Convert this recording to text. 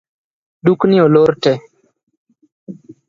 Dukni olor tee